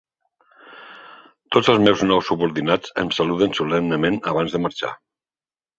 Tots els meus nous subordinats em saluden solemnement abans de marxar.